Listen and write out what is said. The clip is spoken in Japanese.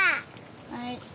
はい。